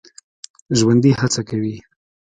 ژوندي هڅه کوي